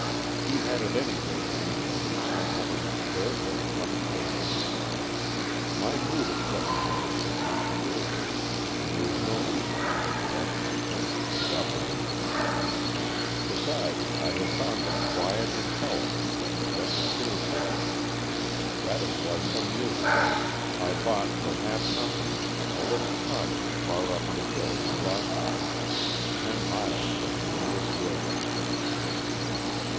He had at any rate managed to make some woman care very much for him. My mood at such times is not cheerful, and there is no reason why I should ask my friends to put up with it. AN EXCHANGE OF SOULS 85 Besides, I have found that quiet and solitude are the best cure for it. That is why some years ago I bought for half nothing a little cottage far up on a hill in Gloucestershire, ten miles from the nearest railway station.